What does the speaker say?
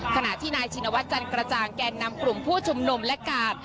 ขณะที่นายชินวัฒนจันกระจ่างแก่นำกลุ่มผู้ชุมนุมและกาด